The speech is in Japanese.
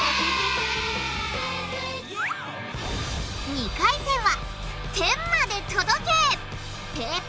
２回戦は天まで届け！